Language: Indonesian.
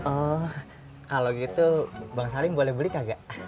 oh kalau gitu bang saling boleh beli kagak